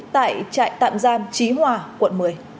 tại trại tạm giam trí hòa quận một mươi